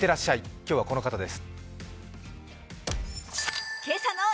今日はこの方です。